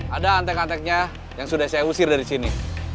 ada antek anteknya yang sudah saya usir dari sini